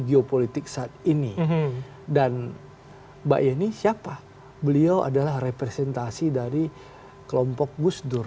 geopolitik saat ini dan mbak yeni siapa beliau adalah representasi dari kelompok gus dur